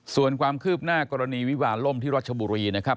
ส่วนความคืบหน้ากรณีวิวาล่มที่รัชบุรีนะครับ